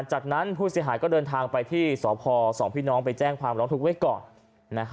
จากนั้นผู้เสียหายก็เดินทางไปที่สพสองพี่น้องไปแจ้งความร้องทุกข์ไว้ก่อน